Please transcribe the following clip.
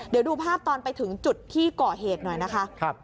เดี๋ยวดูภาพตอนไปถึงจุดที่ก่อเหตุหน่อยนะคะ